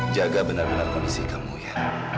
jaga benar benar kondisi kamu ya